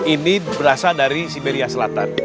ini berasal dari simeriah selatan